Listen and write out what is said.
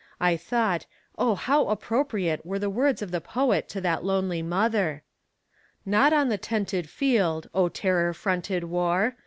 I thought, oh, how appropriate were the words of the poet to that lonely mother: Not on the tented field, O terror fronted War!